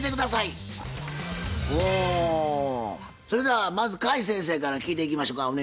それではまず甲斐先生から聞いていきましょか。